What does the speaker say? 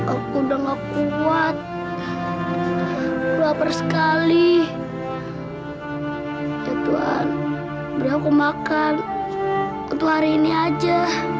aku udah nggak kuat laper sekali ya tuhan berapa makan untuk hari ini aja